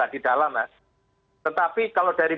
di dalam mas tetapi kalau dari